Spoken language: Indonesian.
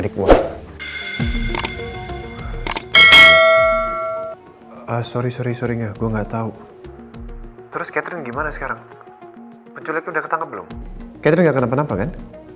kamu gak akan nampak nampak kan